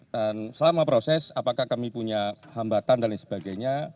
selama proses apakah kami punya hambatan dan lain sebagainya